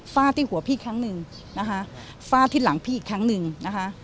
ที่หัวพี่ครั้งหนึ่งนะคะฟาดที่หลังพี่อีกครั้งหนึ่งนะคะ